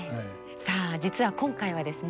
さあ実は今回はですね